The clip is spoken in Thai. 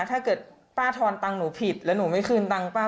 ถ้าเกิดป้าทอนตังค์หนูผิดแล้วหนูไม่คืนตังค์ป้า